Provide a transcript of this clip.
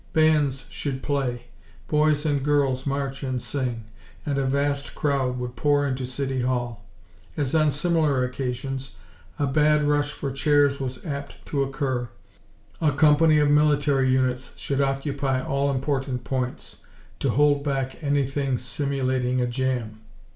Bands should play; boys and girls march and sing; and a vast crowd would pour into City Hall. As on similar occasions, a bad rush for chairs was apt to occur, a company of military units should occupy all important points, to hold back anything simulating a jam.